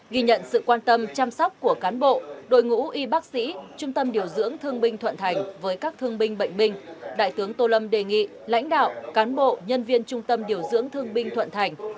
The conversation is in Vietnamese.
ghi nhận sự quan tâm chăm sóc của cán bộ đội ngũ y bác sĩ trung tâm điều dưỡng thương binh thuận thành với các thương binh bệnh binh đại tướng tô lâm đề nghị lãnh đạo cán bộ nhân viên trung tâm điều dưỡng thương binh thuận thành